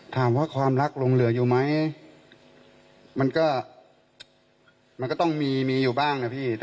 ถามว่าความรักลงเหลืออยู่ไหมมันก็มันก็ต้องมีมีอยู่บ้างนะพี่